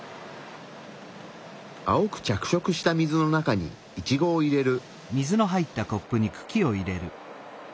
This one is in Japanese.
青く着色した水の中にイチゴを入れる。